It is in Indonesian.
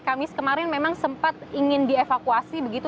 kamis kemarin memang sempat ingin dievakuasi begitu